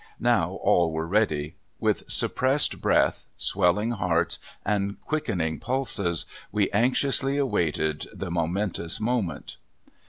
Now all were ready. With suppressed breath, swelling hearts and quickening pulses we anxiously awaited the momentous moment.